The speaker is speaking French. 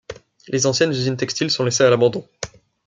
Les anciennes usines textiles sont laissées à l'abandon.